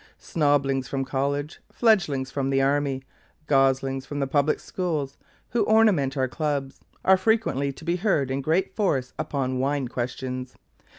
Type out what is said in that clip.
Snoblings from college, Fledglings from the army, Goslings from the public schools, who ornament our Clubs, are frequently to be heard in great force upon wine questions.